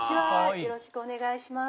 よろしくお願いします。